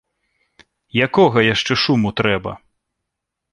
Якога яшчэ шуму трэба?